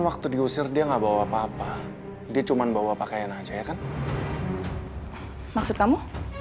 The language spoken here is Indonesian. waktu diusir dia nggak bawa apa apa dia cuma bawa pakaian aja ya kan maksud kamu